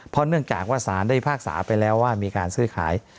เพราะเนื่องจากว่าสารได้พิพากษาไปแล้วว่ามีการซื้อขาย